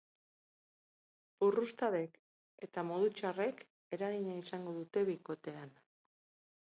Purrustadek eta modu txarrek eragina izango dute bikotean.